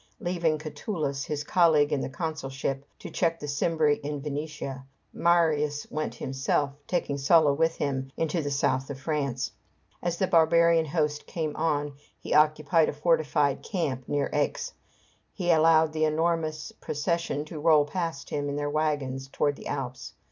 Leaving Catulus, his colleague in the consulship, to check the Cimbri in Venetia, Marius went himself, taking Sulla with him, into the south of France. As the barbarian host came on, he occupied a fortified camp near Aix. He allowed the enormous procession to roll past him in their wagons toward the Alps.